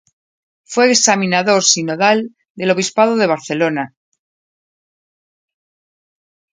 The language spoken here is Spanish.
Fue examinador sinodal del obispado de Barcelona.